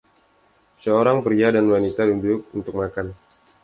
Seorang pria dan wanita duduk (untuk makan).